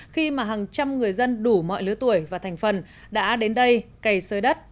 khi mà hàng trăm người dân đủ mọi lứa tuổi và thành phần đã đến đây cày sơi đất